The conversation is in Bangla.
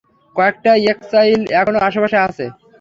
কয়েকটা এক্সাইল এখনও আশেপাশে আছে।